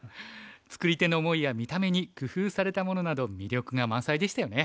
つくり手の思いや見た目に工夫されたものなど魅力が満載でしたよね。